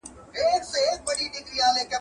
که انلاین فیډبک ورکړل سي، تېروتنه نه تکرارېږي.